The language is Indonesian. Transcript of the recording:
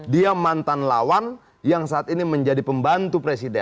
dia mantan lawan yang saat ini menjadi pembantu presiden